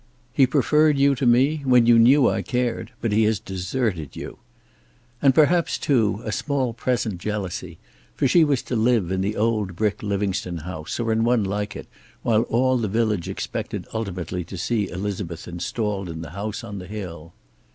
"He preferred you to me, when you knew I cared. But he has deserted you." And perhaps, too, a small present jealousy, for she was to live in the old brick Livingstone house, or in one like it, while all the village expected ultimately to see Elizabeth installed in the house on the hill.